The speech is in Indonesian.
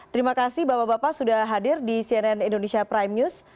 terima kasih bapak bapak sudah hadir di cnn indonesia prime news